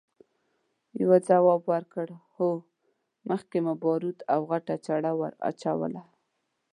يوه ځواب ورکړ! هو، مخکې مو باروت او غټه چره ور واچوله!